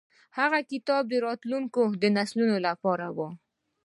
هغه کتاب د راتلونکو نسلونو لپاره و.